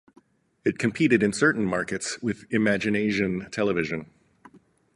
It competed in certain markets with ImaginAsian Television.